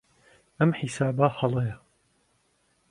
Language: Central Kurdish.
ئەم حیسابە هەڵەیە.